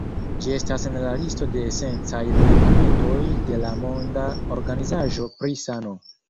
Ĝi estas en la listo de esencaj medikamentoj de la Monda Organizaĵo pri Sano.